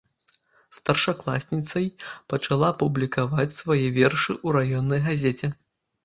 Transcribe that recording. Старшакласніцай пачала публікаваць свае вершы ў раённай газеце.